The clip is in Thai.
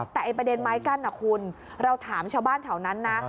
แต่ประเด็นไม้กั้นคุณเราถามชาวบ้านแถวนั้นนะ